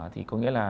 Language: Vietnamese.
thì có nghĩa là